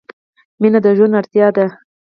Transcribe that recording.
• مینه د ژوند اړتیا ده.